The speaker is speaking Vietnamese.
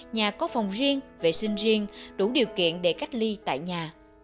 nhà có phòng riêng vệ sinh riêng đủ điều kiện để cách ly tại nhà